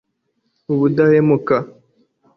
ubudahemuka